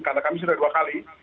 karena kami sudah dua kali